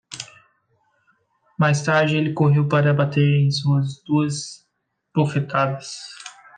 Mais tarde ele correu para bater em suas duas bofetadas